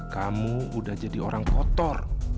kamu udah jadi orang kotor